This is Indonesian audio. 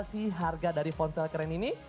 si harga dari ponsel keren ini